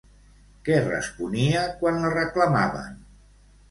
Què responia quan la reclamaven?